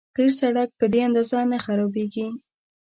قیر سړک په دې اندازه نه خرابېږي.